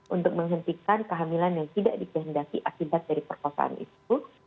untuk menghentikan kehamilan yang tidak dikehendaki akibat dari perkosaan itu